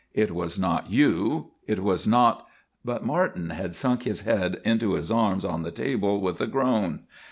It was not you it was not " But Martin had sunk his head into his arms on the table with a groan.